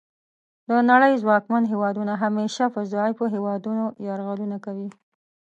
د نړۍ ځواکمن هیوادونه همیشه په ضعیفو هیوادونو یرغلونه کوي